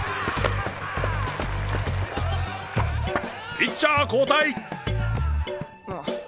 ピッチャー交代！